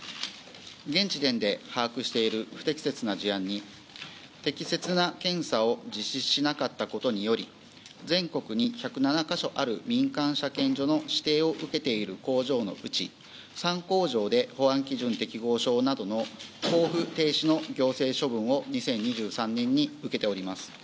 現時点で把握している不適切な事案に適切な検査を実施しなかったことにより全国に１０７か所ある民間車検所の指定を受けている３工場で、行政処分を２０２３年に受けております。